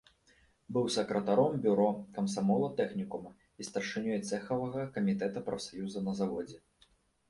Быў сакратаром бюро камсамола тэхнікума і старшынёй цэхавага камітэта прафсаюза на заводзе.